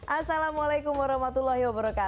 assalamualaikum wr wb